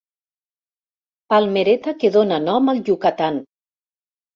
Palmereta que dóna nom al Yucatán.